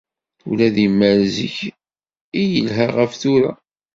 Ula d imal zik i yelha ɣef tura.